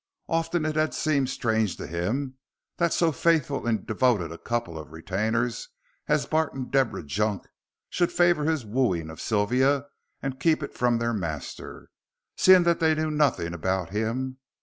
Often it had seemed strange to him that so faithful and devoted a couple of retainers as Bart and Deborah Junk should favor his wooing of Sylvia and keep it from their master, seeing that they knew nothing about him.